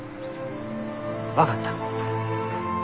分かった。